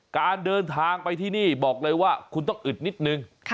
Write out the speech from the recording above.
การเดินทางไปที่นี่บอกเลยว่าคุณต้องอึดนิดนึง